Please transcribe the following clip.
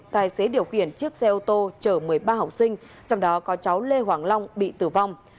tài xế điều khiển chiếc xe ô tô chở một mươi ba học sinh trong đó có cháu lê hoàng long bị tử vong